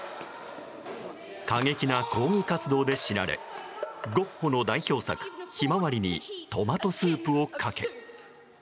過激な抗議活動で知られゴッホの代表作「ひまわり」にトマトスープをかけ。